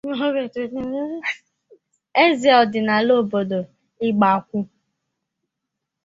eze ọdịnala obodo Ịgbakwụ